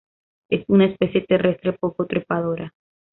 Es una especie terrestre poco trepadora.